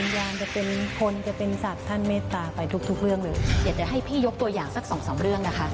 อยากจะให้พี่ยกตัวอย่างสักสองเรื่องนะคะ